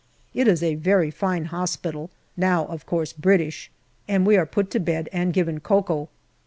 It is a very fine hospital, now of course British, and we are put to bed and given cocoa.